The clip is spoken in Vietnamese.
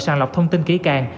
sàng lọc thông tin kỹ càng